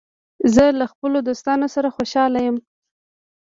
زه له خپلو دوستانو سره خوشحال یم.